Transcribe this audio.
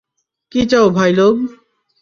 কী চাও, ভাইলোগ?